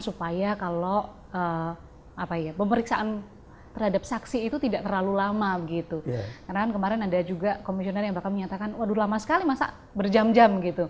supaya kalau pemeriksaan terhadap saksi itu tidak terlalu lama